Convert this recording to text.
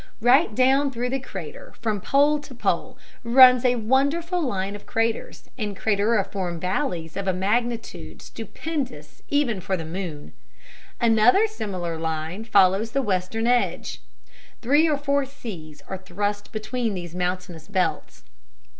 Right down through the center, from pole to pole, runs a wonderful line of craters and crateriform valleys of a magnitude stupendous even for the moon. Another similar line follows the western edge. Three or four "seas" are thrust between these mountainous belts.